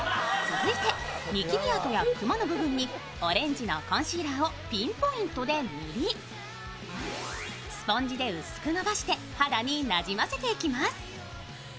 続いて、にきび跡やくまの部分にオレンジのコンシーラーをピンポイントで塗りスポンジで薄く伸ばして、肌になじませていきます。